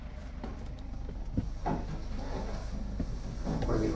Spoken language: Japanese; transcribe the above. これ見ろ。